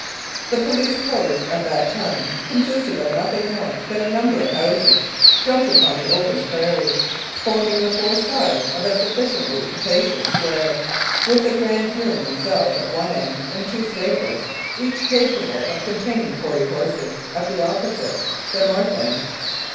The Police Post at that time consisted of nothing more than a number of houses dumped upon the open prairie, forming the four sides of a sufficiently capacious square, with the guard room and cells at one end and two stables, each capable of containing forty horses, at the opposite, the north end.